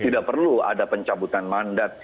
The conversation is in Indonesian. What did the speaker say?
tidak perlu ada pencabutan mandat